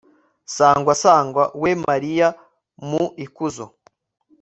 sangwa sangwa we mariya, mu ikuzo